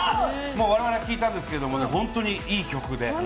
我々は聴いたんですけど本当にいい曲で。